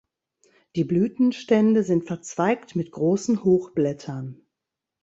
Die Blütenstände sind verzweigt mit großen Hochblättern.